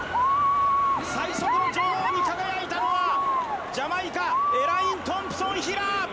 最速の女王に輝いたのはジャマイカ、エレイン・トンプソン・ヒラ！